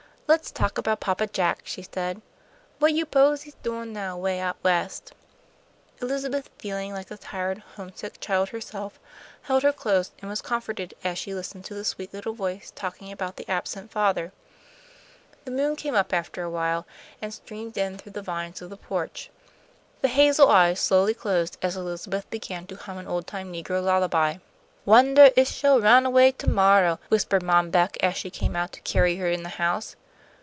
"Let's talk about Papa Jack," she said. "What you 'pose he's doin' now, 'way out West?" Elizabeth, feeling like a tired, homesick child herself, held her close, and was comforted as she listened to the sweet little voice talking about the absent father. The moon came up after awhile, and streamed in through the vines of the porch. The hazel eyes slowly closed as Elizabeth began to hum an old time negro lullaby. "Wondah if she'll run away to morrow," whispered Mom Beck, as she came out to carry her in the house.